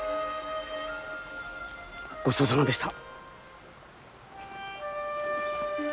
ごちそうさまでした。